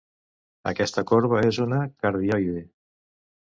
Aquesta corba és una cardioide.